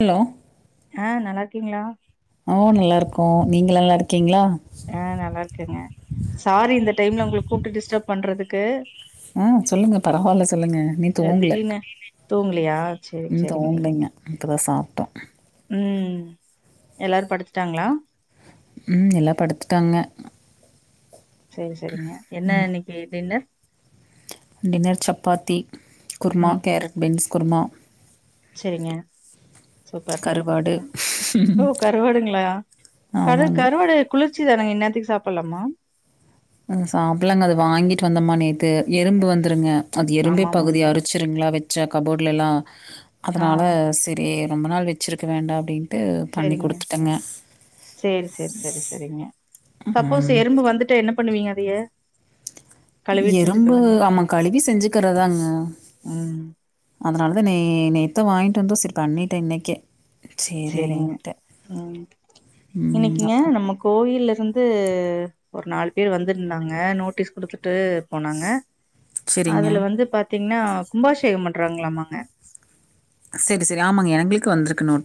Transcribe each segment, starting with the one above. Hello ஆஹ் நல்லா இருக்கீங்களா ஆ நல்லாயிருக்கோ நீங்க நல்லா இருக்கீங்களா ஆஹ் நல்லா இருக்கேங்க சாரி இந்த டைம்ல உங்கள கூப்ட்டு டிஸ்டர்ப் பண்றதுக்கு ஆஹ் சொல்லுங்க பரவாயில்ல சொல்லுங்க நீ தூவங்கலங்க அ திடீனு தூங்கலையா? சரிங்க ம் சரிங்க நீங்க. தூவங்கலங்க இப்ப தான் சாப்ட்டோம் ம் எல்லாரு படுத்துட்டாங்களா ம் எல்லா படுத்துட்டாங்க செரி-செரிங்க என்ன இன்னிக்கு dinner dinner chapati kurma carrot beans kurma செரிங்க சூப்பர் கருவாடு ஓ கருவாடுங்களா ஆமாங்க கரு-கருவாடு குளி ச்சிதானங்க இன்னாத்துக்கு சாப்பல்லாமா சாப்பில்லாங்க அது வாங்கிட்டு வந்தமா நேத்து எறும்பு வந்துருங்க அது எறும்பே ஆமாமா. பகுதி அரிச்சிருங்களா வச் சேல கபோர்ட்லலாம் ஆ அதனால செரி ரொம்ப நாள் வச்சிருக்க வேண்டா அப்டின் செரிங்க செரிங்க -செரி-செரி-செரிங்க சப்போஸ் ம், எறும்பு வந்துட்டா என்னப் பண்ணுவீங்க அதைய கழுவிட்டு எறும்பு செஞ்சுக்குவீங்களா? ஆம கழுவி செஞ்சுக்குறதுதாங்க ம் அதனால தான் ந நேத்த வாங்கிட்டு வந்தோ சரி பண்ணட்டேன் இன்னைக்கே சரிங்க சரின்ட்டேன். உஹம் ம். இன்னைக்குங்க அப்புறம் நம்ம கோயில இருந்து ஒரு நாலு பேர் வந்துருந்தாங்க நோட்டீஸ் கொடுத்து து போனாங்க சரிங்க. அதுல வந்து பா பாத்தீங்கன்னா கும்பாபிஷேகம் பண்றாங்களாமாங்க சரி சரி ஆமாங்க எங்களுக்கு வந்திருக்கு நோட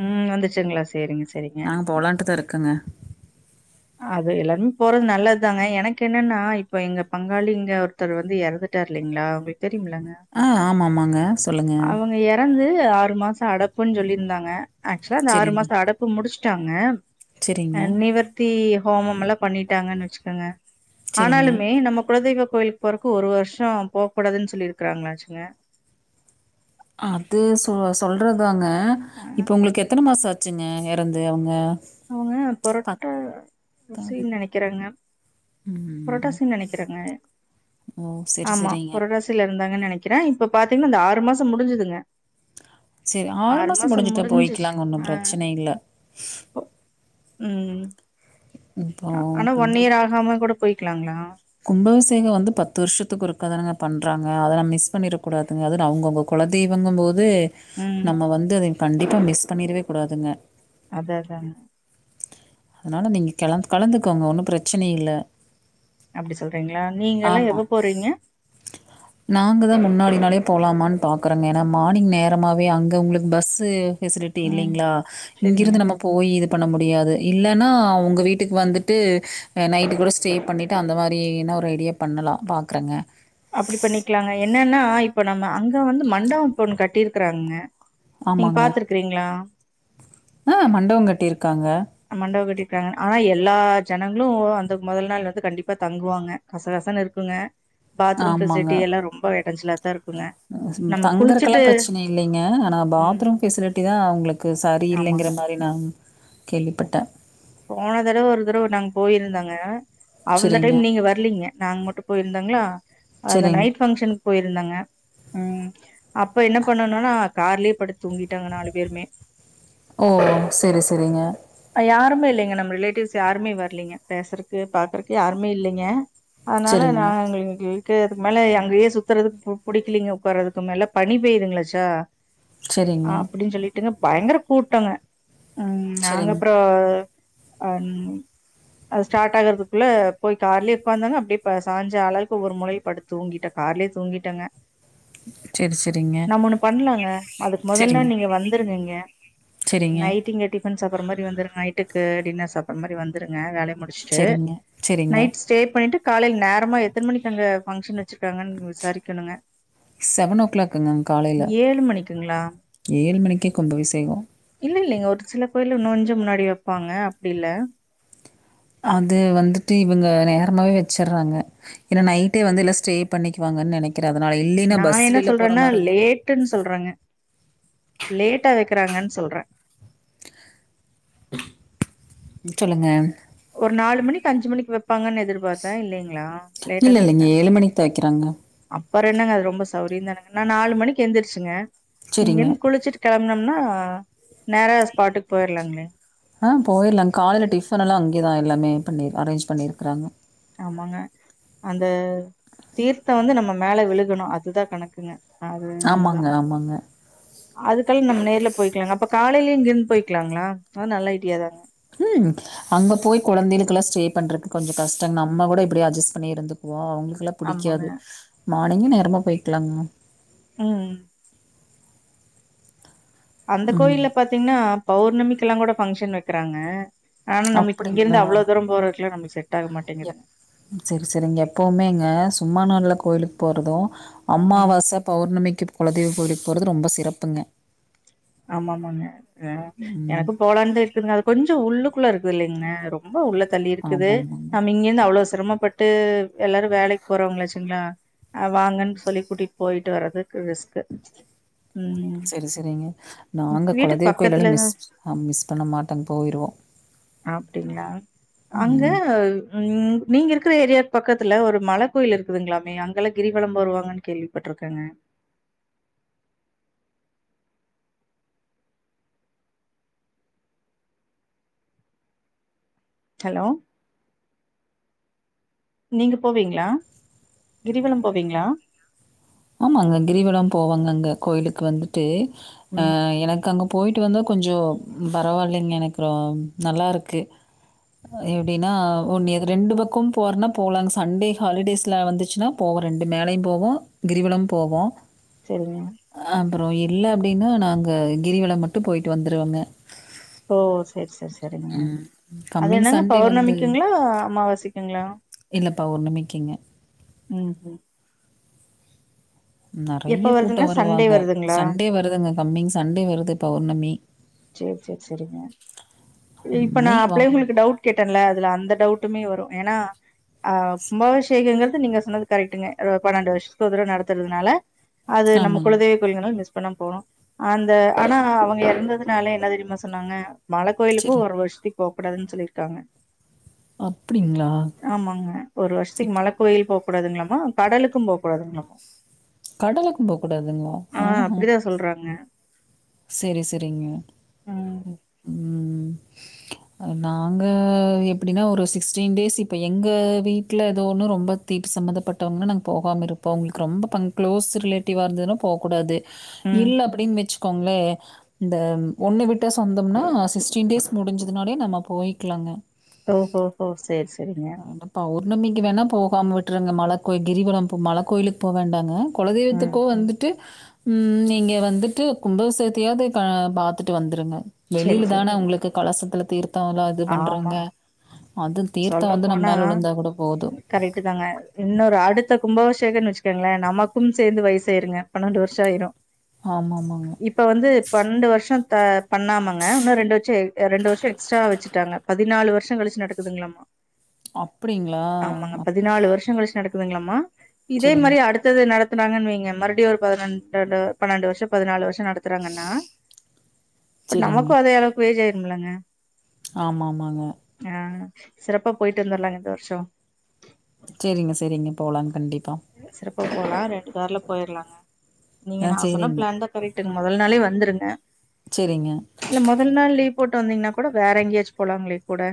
உம் வந்துச்சங்களா செரிங்க செரிங்க நாங்க போலான்ட்டு தான் இருக்கோங்க. அது எல்லாருமே போறதுன நல்ல தாங்க எனக்கு என்னன்னா அவ்வளவு தாங்க எனக்கென்னனா இப்போ எங்க பங்காளி இங்க ஒருத்தர் வந்து இறந்துட்டாரு இல்லைங்களா தெரியுமுலங்க ஆ ஆமாமாங்க. சொல்லுங்க. அவங்க இறந்து ஆறு இந்த மாசம் அடப்புன்னு சொல்லியிருந்தாங்க ஆக்சுவலா அந்த ஆறு சரிங்க. மாசம் அடப்பு முடிச்சு விட்டாங்க சரிங்க. அ நிவர்த்தி ஓமம்லா பண்ணிட்டாங்கன்னு வச்சுக்கோங்க சரிங்க. ஆனாலுமே நம்ம குலதெய்வக் கோயிலுக்கு போறக்கு ஒரு வருஷம் போக கூடாதுன்னு சொல்லிருக்கங்களாச்சுங்க அது சொல்றதுதாங்க அ இப்ப உங்களுக்கு எத்தனை மாசம் அச்சு வச்சுங்க இறந்து அவங்க அவங்க புரட்டாசின்னு நினைக்கிறாங்க ம். புரட்டாசின்னு நினைக்கிறேங்க ஓ! சரி, ஆமா சரிங்க. புரட்டாசியில இருந்தாங்க நினைக்கிறேன் இப்ப பாத்தீங்கன்னா இந்த ஆறு மாசம் முடிஞ்சுதுங்க சரி ஆறு மாசம் முடிஞ்சுட்டு முடிஞ்சிச்சு. போயிக்கலாங்க ஒன்னும் ஆ பிரச்சன இல்ல உம் இப்போ ஆனா ஒன் இயர் ஆகாம கூட போய்க்கலாங்களா கும்பபிஷேகம் வந்து பத்து வருஷத்துக்கு ஒருக்கா தானேங்க பண்றாங்க அதை நான் மிஸ் பண்ணிடக்கூடாது அவங்கவங்க குலதெய்வங்கும் போது இது ம். நம்ம வந்து அது கண்டிப்பா மிஸ் பண்ணிரவே கூடாதுங்க அததாங்க அதனால நீங்க கல கலந்துக்கோங்க ஒன்னும் பிரச்சன இல்ல அப்படி சொல்றீங்களா நீங்க எல்லாம் ஆமா. எப்பே போறீங்க முன்னாலே போகலாமான்னு பார்க்குறாங்க ஏன்னா மார்னிங் நேரமாகவே அங்கே உங்களுக்கு பஸ்சு பெசிலிட்டி ம். இல்லைங்களா சரிங்க. இங்கிருந்து நம்ம போய் இது பண்ண முடியாது இல்லன்னா உங்க வீட்டுக்கு வந்துட்டு நைட் கூட ஸ்டே பண்ணிட்டு அந்த மாதிரின ஒரு ஐடியா பண்ணலாம் பாக்குறேங்க அப்டி பண்ணிக்கலாங்க என்னன்னா இப்ப நம்ம அங்க வந்து மண்டப இப்ப ஒண்ணு கட்டிருக்கறாங்க நீங்க பாத்துருக்குறீங்களா ஆஹ் மண்டவோ கட்டிருக்காங்க மண்டபம் கட்டிக்கிறாங்க ஆனா எல்லா ஜனங்களும் அந்த முதல் நாள் வந்து கண்டிப்பா தங்குவாங்க கசகசன்னு இருக்குங்க பாத்ரூம் பெசிலிட்டி எல்லா ரொம்ப [inaudible] நம்ம குளிச்சுட்டு தங்குறக்கெல்லாம் பிரச்சனை இல்லைங்க ஆனா ம் பாத்ரூம் பெசிலிட்டி தான் அவங்களுக்கு சரி ஆமாங்க இல்லிங்கிற மாரி நா போன தடவை ஒரு தடவை நாங்க போயிருந்தாங்க அந்த சரிங்க, டைம் நீங்க வரலீங்க நாங் மட்டும் போயிருந்தாங்களா அந்த சரிங்க. நைட் பங்க்ஷனு போயிருந்தங்க உஹம் அப்ப என்ன பண்ணனும்னா கார்லயே படுத் தூங்கிட்டோங்க நாலு பேருமே ஓ செரி செரிங்க யாருமே இல்லைங்க நம்ம ரிலேட்டிவ்ஸ் யாருமே வரலீங்க பேசுறக்கு பாக்குறக்கு யாருமே இல்லிங்க அதனால நா சரிங்க, இங்கங்கு அதுக்கு மேல அங்கயே சுத்துறதுக்கு புடிக்கலிங்க உட்காறதுக்கு மேல பணி பெயுங்களாச்சா சரிங்க. ஆப்டின்னு சொல்லிட் ட்டுங்க பயங்கர கூட்டங்க உம் செரிங் நாங்கப் அது ஸ்டார்ட் ஆகறதுக்குள்ள போய் கார்லேயே உட்காந்தாங்க அப்படியேப்ப சாய்ஞ்ச ஆளவுக்கு ஒவ்வரு மூலையும் படுத் தூங்கிட்டேன் கார்லேயே தூங்கிட்டங்க செரி செரிங்க நம்ம ஒண்ணு பண்ணலாங்க அதுக்கு செரிங்க மொதல்லல்லாம் நீங்க வந்துருங்கீங்க செரிங்க நைட்டு இங்க டிப் வந்து சாப்றமாறி வந்துருங்க நைட்டுக்கு டின்னர் சாப்பிடற மாதிரி வந்துருங்க வேல முடிச்சுட்டு செரிங்க செரிங்க நைட் ஸ்டே பண்ணிட்டு காலையில நேரமா எத்தன மணிக்கு அங்க பங்கஷன் வச்சு செவன் ஓ கிளாக்ங்க காலையில ஏழு மணிக்குங்களா ஏழு மணிக்கே கும்பாபிஷேகம் நீங்க [inaudible] [inaudible] முன்னாடி வப்பாங்க அப்டி இல்ல அது வந்துட்டு இவங்க நேரமாவே வச்சுடுறாங்க ஏன்னா நைட்டே வந்து இல்ல ஸ்டே பண்ணிக்குவாங்கன்னு நெனைக்கி நான் என்ன சொல்றேன்னா லேட்டுன்னு சொல்றேங்க லேட்டா வைருக்கறாங்கன்னு சொல்றேன் சொல்லுங்க ஒரு நாலு மணிக்கு அஞ்சு மணிக்கு வைப்பாங்கன்னு எதிர்பார்த்தேன் இல்லைங்களா லேட்டா இல்ல இல்ல இங்க ஏழு மணிக்கு தா வைக்கிறாங்க வர என்னங்க அது ரொம்ப சவுரியம் த என்னங்க நாலு மணிக்கு எழுிரருச்சுங்க செரிங்க இங்கன்னு குளிச்சட்டு க னம்னா நேர ஸ்பாட்டுக்கு போயிடலாங்களே ஆ போயிரலாங்க காலயில டிஃபன் எல்லாம் அங்கேதான் எல்லாமே பண்ணி அரேஞ்ச் பண்ணிருக்கறாங்க ஆமாங்க அந்த தீர்த்தம் வந்து நம்ம மேல விழுகணும் அதுதான் கணக்குங்க அது ஆமாங்க ஒண்ணுதான் ஆமாங்க அதுக்கெல்ல நம்ம நேர்ல போயக்கலாங்க அப்ப கால காலைல இங்கிருந்து போய்கலாங்களா அது நல்ல ஐடியா தாங்க ம் அங்க போய் கெழந்தைகளுக்குல்லாம் ஸ்டே பண்றதுக்கு கொஞ்சம் கஷ்டங்கம் நம்ம கூட எப்டி அட்ஜஸ்ட் பண்ணி இருந்துக்குவோம் வுக்குள்ள ஆமாங்க பிடிக்காது மார்னிங்க நேரமா போயக்கலாங்க ம் அந்த ம். கோயில்ல பாத்தீங்கன்னா பௌர்ணமி ல்லாம் கூட பங்க்ஷன் வைக்கிறாங்க ஆனா நம்மளுக்கு அப்டிங்களா இங்கிருந்து அவ்ளோ தூரம் போறதுக்குலா நம்மளுக்கு செட் ஆக மாட்டேங்குதுங்க செரி செரிங்க எப்வுமேங்க சும்மா நாள்ல கோவிலுக்கு போறதும் ம் அமாவாச பௌர்ணமிக்கு குலதெய்வும் கோவிலுக்கு போறது ரொம்ப சிறப்புங்க ஆமாமாங்க ஆ ம். எனக்கும் போலாண்டுல இருக்குது அது கொஞ்சம் உள்ளு ள்ள இருக்குது இல்லங்க ரொம்ப உள்ள தள்ளி இருக்குது ஆமாமாங்க. நம்ம இங்கிருந்து அவ்வளோ சிரமப்பட்டு எல்லாரும் வேலக்கு போறவங்களாச்சுங்களாஹ வாங்கன்னு சொல்லி கூட்டிட்டு போயிட்டு வரதுக்கு ரிஸ்க் செரி சேரிங்க நாங்க வீட்டுக்கு குலதெயவ் கோயிலாலும் பக்கத்துலதா மிஸ் மிஸ் பண்ண மாட்டோங்கு போயிடுவோம் ம் உ நீங்க இருக்கிற ஏரியா பக்கத்துல ஒரு மல கோயில் இருக்குதுங்களாமே அங்கெல்லாம் கிரிவலம் வருவாங்கன்னு கேள்விப்பட்டிருக்காங்க ஹலோ நீங்க போவிங்களா கிரிவலம் போவீங்களா ஆமாங்கே கிரிவலம் போவாங்க அங்க கோயிலுக்கு வந்துட்டு அ ம். எனக்கு அங்க போயி்ட்டு வந்தா கொஞ்சம் பரவாயில்லங்க எனக்கு ர நல்லாருக்கு எப்டின்னா ஒன்று ரெண்டு பக்கும் போகிறனா போகலாங்க சண்டே ஹாலிடேஸில் வந்துச்சுனா போவோம் ரெண்டு மேலையும் போவோம் கிரிவுலம் போவோம் செரிங்க அப்பறம் இல்ல அப்டின்னா நாங்கள் கிரிவலம் மட்டும் போயி்டட்டு வந்துடுவோங்க ஓ செரி செரி செரிங்க ம். அது கம்மிங் என்னங்க சண்டே வந்து பௌர்ணமிக்குங்களா அமாவாசைக்குங்களா இல்லப்பா ஒரு நிமிக்குங்க ம் உஹம் நெறைய வருதுங்க? கூட்டம் சண்டே வருவாங்க வருதுங்களா? சண்டே வருதுங்க கம்மிங் சண்டே வருது பௌர்ணமி சேர் சேர் செரிங்க ம். இப்ப நா நீங்க அப்பளயே வாங்க. உங்களுக்கு டவுட் கேட்டேன்ல அதுல அந்த டவுட் ட்டுமே வரு ஏன்னா அஹ் கும்பாபிஷேகங்கிறது நீங்க சொன்னது கரெக்ட்டுங்க ஆ பன்னெண்டு வருஷத்துக்கு ஒரு தடவ நடத்துறதுனால அது நம்ம ஆமாங்க. குலதெய்வ கோவில் வேண்ணா மிஸ் [unintelligible] போறோ அந்த ஆனா அவங்க எறந்தது என்ன தெரியுமா சொன்னாங்க மல கோயிலுக்கு சரி. ஒரு வருஷத்திக் போக்கூடாதுன்னு சொல்லிருக்காங்க அப்டிங்களா? ஆமாங்க ஒரு வருஷத்துக்கு இப் மல கோயில் போ க்கூடாதுங்களாமா கடலுக்கும் போகக் கூடாதுங்களாமா கடலுக்கும் போகக் கூடாதுங்ளா ஆ ஆஹ்ஹா அப்டிதா சொல்றாங்க செரி செ சரிங்க ம் உம் அ நாங்க எப்பிடின்னா ஒரு சிக்ஸ்டீன் டேஸ் இப்போ எங்க வீட்ல ஏதோ ஒன்னு ரொம்ப தீட்டு சம்மந்தப்பட்டவங்கன்னா நாங்க போகாம இருப்போ அவங்களுக்கு ரொம்ப ப க்ளோஸ் ரிலேட்டிவா இருந்ததுன்னா போகக்கூடாது ம் இல்ல அப்படின் வச் க்கோங்ளே இந்த ஒண்ணு விட்ட சொந்தம்னா சிக்ஸ்டீன் டேஸ் முடிஞ்சதுனாலே நம்ம போய்க்கலாங்க ஓ ஹோ ஹோ சேர் செ [unintelligible] ஒர் உன்னும் இங்க வேண்ணா போகாம விட்ருங்க மலக் கோயி கிரிவலம் இப்ப மல கோயிலுக்கு போவேண்டாங்க ம் குலதெய்வத்துக்கோ வந்துட்டு உம் நீங்க வந்துட்டு கும்பாவிஷேகத்தயாது கா பாத்துட்டு வந்துருங்க சேரி சேரி வெளியிலதான உங்களுக்கு கலசத்துல தீர்த் மத்தவன்லா இது ஆமா பண்றாங்க அது தீர்த் [unintelligible] போனா கரெக்ட்டுதாங்க இன்னொரு அடுத்த கும்பாபிஷே கேக்கறன்னு வச்சுக்கோங்களே நமக்கும் சேந்து வயசாயிருங்க பன்னெண்டு வர்ஷோ ஆயிரு ஆமாமாங்க. இப்ப வந்து பன்னெண்டு வருஷோ த பண்ணாமங்க இன்னு ரெண்டு வச்சு ஆ ரெண்டு வருஷோ எக்ஸ்ட்ராவா வச்சுட்டாங்க பதினாலு வருஷோ கழிச்சு நடக் க்குதுங்களாமா அப்படிங்களா? ஆமாங்க அப் பதினாலு வருஷங் கழிச்சு நடக் க்குதுங்களாமா இதே சரிங்க, மாரி அடுத்தது நடத் இப்தாங்குவைங்க மறுபடியும் ஒரு பதுரெண்டு பன்னெண்டு வருஷம் பதினாலு வருஷம் நடத்துறாங்கன்னா இப்ப நமக்கும் அதே அளவுக்கு வயஜ் ஆயிடுச்சு ம்பளங்க ஆமா ஆமாங்க சிறப்பா போயிட்டு வந்துலாங்க இந்த வருஷம் செரிங்க செரிங்க போலாங் கண்டி சிறப்பா போலாம் ரெண்டு கார்ல போயிர்லாங்க நீங்க ஆ நா சொன்ன சரிங்க, பிளான் தான் கரெக்ட்டுங்க முதல் நாளே வந்துருங்க சரிங்க. இல்ல முதல் நாள் லீவு போட்டு வந்தீங்கன்னா கூட வேற எங்கேயாச்சும் போலாங்களே கூட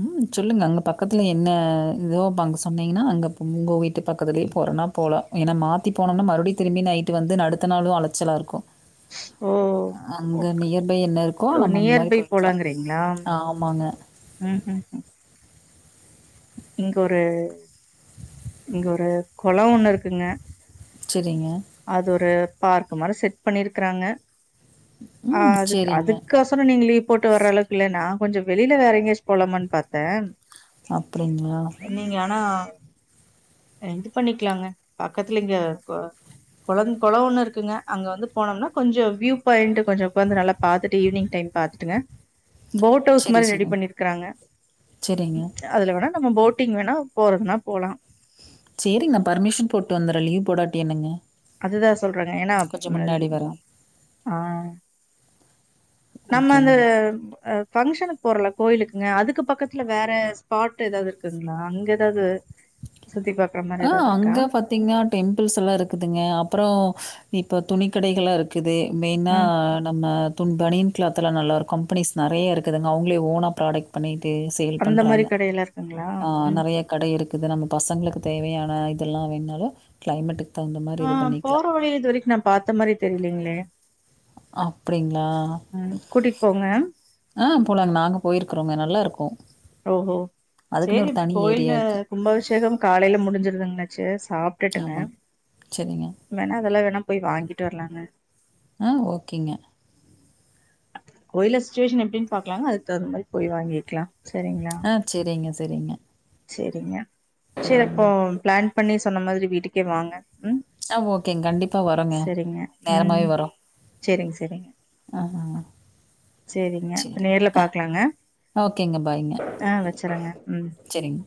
உம் சொல்லுங்க அங்க பக்கத்துல என்ன ஏதோப்போ அங்க சொன்னீங்கன்னா அங்க உங்க வீட்டு பக்கத்துலயே போறேன்னா போகலாம் ஏன்னா மாத்தி போனோம்னா மறுபடியும் திரும்பி நைட்டு வந்து நடத்தனாலும் அலைச்சலா இருக்கும் ஓ அங்க நியர்பை என்ன இருக்கோ நம்ம அந்த மாரி நியர்பை போய்க்கலாம். போலாங்குறீங்களா ஆமாங்க. ம்ம் இங்க ஒரு இங்க ஒரு கொளம் ஒண்ணு இருக்குங்க சரிங்க. அது ஒரு பார்க் மாரி செட் பண்ணிருக்குறாங்க அஹ் ம். அதுக்கு சரிங்க. அதுக்கொசரம் நீங்க லீவு போட்டு வர்ற அளவுக்கு இல்ல நா கொஞ்சம் வெளியில வேற எங்கயாச்சும் போலாமான்னு பாத்தே அப்படிங்களா? நீங்க ஆனா [inaudible] இது பண்ணிக்கலாங்க பக்கத்துல இங்க கொளம் ஒன்னு இருக்குங்க அங்க வந்து போனோம்னா கொஞ்சம் வியூ பாயிண்ட் கொஞ்சம் உக்காந்து நல்லா பாத்துட்டு ஈவினிங் டைம் பாத்துட்டுங்க போட் ஹவுஸ் சரி, மாரி ரெடி சரிங்க. பண்ணிருக்குறாங்க சரிங்க. அதுல வேணா நம்ம போட்டிங் வேணா போறதுன்னா போலாம் சரிங்க. நான் பர்மிஷன் போட்டு வந்துர்றேன். லீவ் போடாட்டி என்னங்க அதுதா சொல்றாங்க ஏனா கொஞ்சம் முன்னாடி வரேன். ஆஹ் நம்ம அந்த ஓகேங்களா? அ பங்க்ஷனு போறல கோயிலுக்குங்க அதுக்கு பக்கத்துல வேற ஸ்பாட் ஏதாவது இருக்குங்ளா அங்க எதாவது ஆஹ் அங்க பாத்தீங்கன்னா டெம்பிள்ஸ்ல்லாம் இருக்குதுங்க அப்புறம் இப்போ துணி கடைகளா இருக்கு இது மெயினா ம். நம்ம துன் பனியன் கிளாத் எல்லா நல்லா இருக்கு கம்பெனிஸ் நெறைய இருக்குதுங்க அவங்களே ஓனா ப்ராடக்ட் பண்ணி அது சேல் அந்த மாரி பண்றாங்கஹ கடையெல்லாம் இருக்குங்களா? நெறைய ம்ஹ்ம். கடை இருக்குது நமக்கு பசங்களுக்கு தேவையான ஆய்தம் எல்லாம் வேணாலும் கிளைமேட்டுக்கு தகுந்த மாரி இது ஆஹ் போற பண்ணிக்கலாம். வழி இதுவரைக்கும் நான் பாத்த மாதிரி தெரியலைங்களே அப்படிங்க ஆஹ் கூட்டிட்டு போங்க. ஆஹ் போலாங் நாங்க போயிருக்றோங்க நல்லா இருக்கும் ஓஹோ சரி ஏரியா கோயில்அ இருக்கு. கும்பாபிஷேகம் காலையில முடிஞ்சுருதுங்கால செர் சாப்ட்டுட்டுங்க ஆமாங்க. சரிங்க. எங்கன வெளிய வேணும்ண போய் வாங்கிட்டு வரலாங்க ஆஹ் ஓகேங்க கோயில சுச்சுவேஷன் எப்படின்னு பாக்கலாங்க அது தகுந்த மாதிரி போய் வாங்கிக்கலாம் ஆஹ் செரிங்க ச பெரும சரிங்க சரி அப்போ பிளான் பண்ணி சொன்ன மாதிரி வீட்டுக்கே வாங்க ம் ஆ ஓகேங்க கண்டிப்பா வரோங்க சேரிங்க ம் நேரமாவே வரும் சேரிங்க சேரிங்க ஆஹ் சேரிங்க சரி நேர்ல ஆ பாக்கலாங்க ஓகேங்க பாய்ங்க ஆ வச்சறேங்க ம் செரிங்க